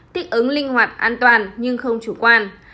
thích ứng linh hoạt an toàn nhưng không chủ quan